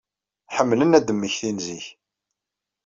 Ḥemmlen ad d-mmektin zik.